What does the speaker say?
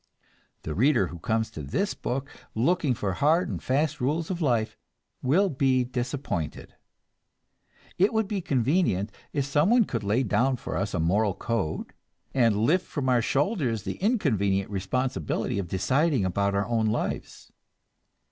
The reader who comes to this book looking for hard and fast rules of life will be disappointed. It would be convenient if someone could lay down for us a moral code, and lift from our shoulders the inconvenient responsibility of deciding about our own lives.